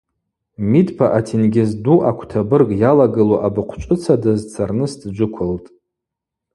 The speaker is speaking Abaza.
Мидпа атенгьыз ду аквтабырг йалагылу абыхъвчӏвыца дазцарныс дджвыквылтӏ.